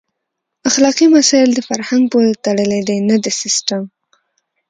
اخلاقي مسایل د فرهنګ پورې تړلي دي نه د سیسټم.